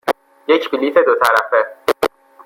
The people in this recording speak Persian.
یک بلیط دو طرفه.